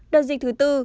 đợt dịch thứ bốn